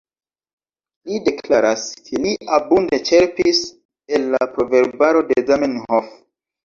Li deklaras, ke li abunde ĉerpis el la Proverbaro de Zamenhof.